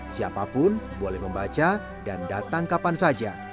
siapapun boleh membaca dan datang kapan saja